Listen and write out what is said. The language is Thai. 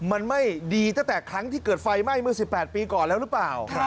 มันไม่ดีตั้งแต่ครั้งที่เกิดไฟไหม้เมื่อ๑๘ปีก่อนแล้วหรือเปล่า